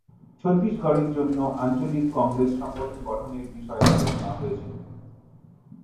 ছত্তিশগড়ের জন্য আঞ্চলিক কংগ্রেস সংগঠন গঠনের বিষয়েও আলোচনা হয়েছিল।